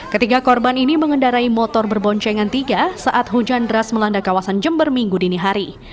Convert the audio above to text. ketiga korban ini mengendarai motor berboncengan tiga saat hujan deras melanda kawasan jember minggu dini hari